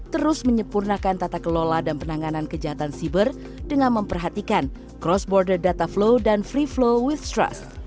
terus menyempurnakan tata kelola dan penanganan kejahatan siber dengan memperhatikan cross border data flow dan free flow with trust